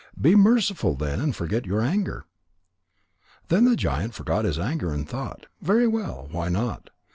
Be merciful then and forget your anger." Then the giant forgot his anger, and thought: "Very well. Why not?"